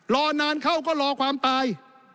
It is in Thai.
รอนานเข้าก็รอความตาย